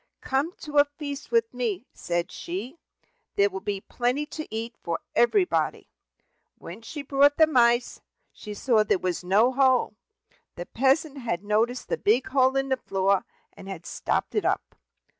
"Come to a feast with me," said she; "there will be plenty to eat for everybody." When she brought the mice, she saw there was no hole. The peasant had noticed the big hole in the floor, and had stopped it up.